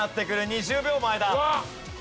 ２０秒前だ。